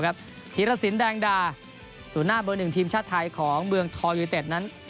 เป็นทีเดียวครับธีรศิลป์แดงดาศูนย์หน้าเบอร์หนึ่งทีมชาติไทยของเมืองทองยูริเต็ดนั้น